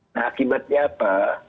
nah akibatnya apa